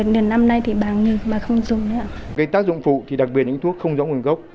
điện tác dụng phụ thì đặc biệt là những thuốc không rõ nguồn gốc